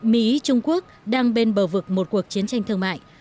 mỹ trung quốc đang bên bờ vực một cuộc chiến tranh thương mại